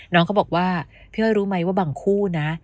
น้องเขาบอกว่าพี่อ้อยรู้ไหมว่าบางคู่นะ